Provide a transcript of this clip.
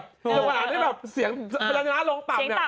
จังหวัดอะไรที่แบบเสียงลงต่ำเนี่ยจะยากนิดนึงเสียงต่ำ